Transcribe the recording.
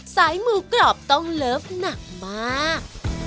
สายหมูกรอบต้องเลิฟหนักมาก